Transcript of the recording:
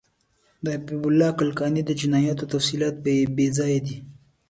د حبیب الله کلکاني د جنایاتو تفصیلات بیځایه دي.